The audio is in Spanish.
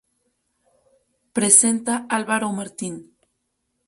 Presenta Álvaro Martín.